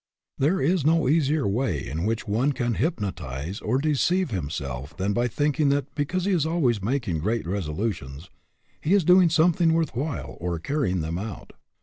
There is no easier way in which one can hypnotize or deceive himself than by thinking that because he is always making great resolu tions he is doing something worth while or carrying them out.